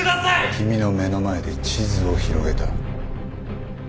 君の目の前で地図を広げた。